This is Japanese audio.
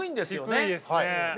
低いですね。